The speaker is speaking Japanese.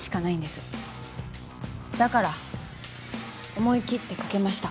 だから思い切って賭けました。